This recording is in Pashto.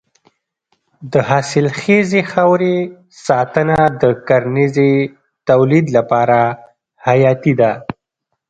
د حاصلخیزې خاورې ساتنه د کرنیزې تولید لپاره حیاتي ده.